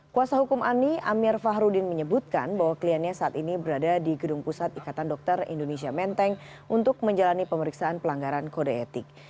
kuasa hukum ani amir fahrudin menyebutkan bahwa kliennya saat ini berada di gedung pusat ikatan dokter indonesia menteng untuk menjalani pemeriksaan pelanggaran kode etik